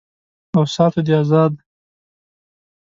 او ساتو دې آزاد